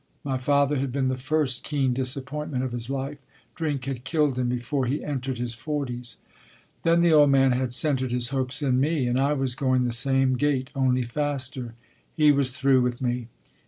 My father had been the first keen disap pointment of his life; drink had killed him before he entered his forties. Then the old man had cen tered his hopes in me and I was going the same gait, only faster. He was through with me.